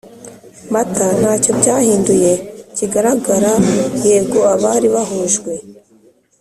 Mata nta cyo byahinduye kigaragara Yego abari bahujwe